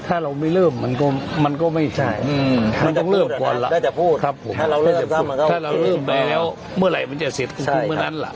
ถ้าเราไม่เริ่มมันก็ไม่ใช่มันต้องเริ่มก่อนล่ะถ้าเราเริ่มไปแล้วเมื่อไหร่มันจะเสร็จก็คงเมื่อนั้นล่ะ